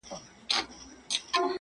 د خدای سره خبرې کړه هنوز په سجده کي